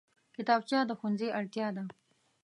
کتابچه د ښوونځي اړتیا ده